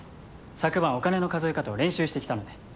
昨晩お金の数え方を練習してきたので。